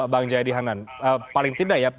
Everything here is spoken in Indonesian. bang jarihanan paling tidak ya